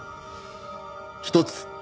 「一つ。